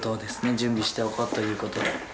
準備しておこうということで。